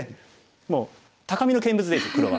もう高みの見物でいいです黒は。